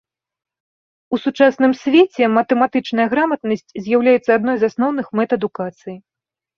У сучасным свеце матэматычная граматнасць з'яўляецца адной з асноўных мэт адукацыі.